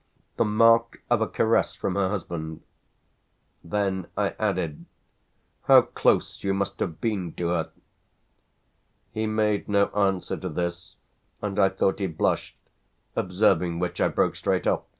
"The mark of a caress from her husband." Then I added: "How close you must have been to her!" He made no answer to this, and I thought he blushed, observing which I broke straight off.